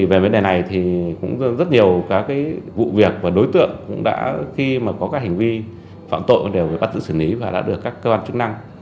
về vấn đề này thì cũng rất nhiều các vụ việc và đối tượng cũng đã khi mà có các hành vi phạm tội đều bị bắt giữ xử lý và đã được các cơ quan chức năng